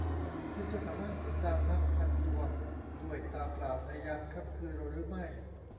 คุณจะสามารถเห็นดาวนับพันดวงด้วยตาเปล่าในยามค่ำคืนหรือไม่ ?